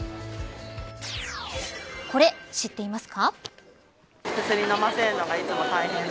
これ、知っていますか。